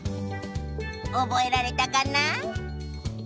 おぼえられたかな？